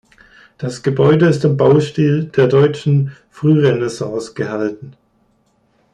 Das Gebäude ist im Baustil der deutschen Frührenaissance gehalten.